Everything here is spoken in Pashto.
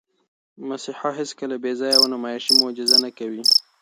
مسیحا هیڅکله بېځایه او نمایشي معجزه نه کوي.